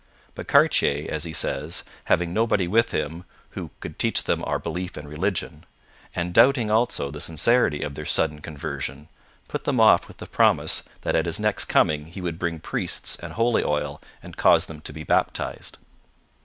But Cartier, as he says, having nobody with him 'who could teach them our belief and religion,' and doubting, also, the sincerity of their sudden conversion, put them off with the promise that at his next coming he would bring priests and holy oil and cause them to be baptized.